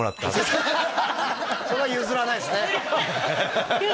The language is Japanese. それは譲らないんですね